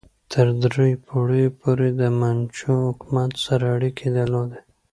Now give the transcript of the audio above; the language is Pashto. تر دریو پیړیو پورې د منچو حکومت سره اړیکې درلودې.